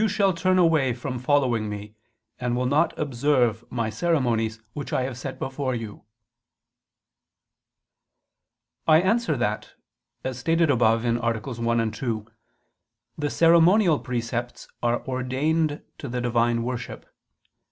. shall turn away from following Me, and will not observe [Douay: 'keep'] My ... ceremonies which I have set before you." I answer that, As stated above (AA. 1, 2), the ceremonial precepts are ordained to the Divine worship.